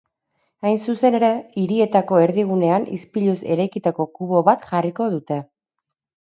Hain zuzen ere, hirietako erdigunean ispiluz eraikitako kubo bat jarriko dute.